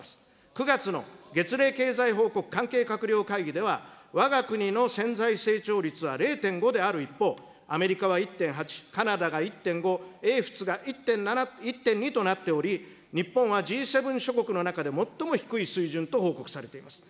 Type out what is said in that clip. ９月の月例経済報告関係閣僚会議では、わが国の潜在成長率は０．５である一方、アメリカは１．８、カナダが１．５、英仏が１．７、１．２となっており、日本はＧ７諸国の中で最も低い水準と報告されております。